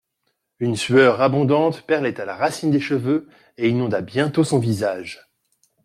Une sueur abondante perlait à la racine des cheveux et inonda bientôt son visage.